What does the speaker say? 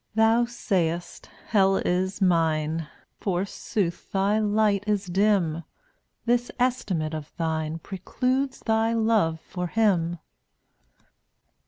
Thou sayest, "Hell is mine;" Forsooth thy light is dim; This estimate of thine Precludes thy love for Him.